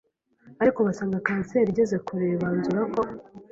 ariko basanga kanseri igeze kure banzura ko